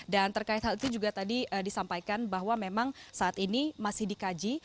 dan terkait hal itu juga tadi disampaikan bahwa memang saat ini masih dikaji